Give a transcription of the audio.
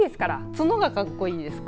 角がかっこいいですか。